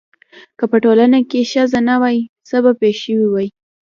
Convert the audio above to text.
که په ټولنه کې ښځه نه وای څه به پېښ شوي واي؟